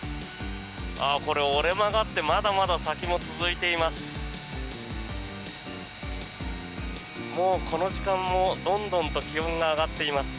これ、折れ曲がってまだまだ先も続いています。